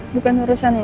bukan urusan lo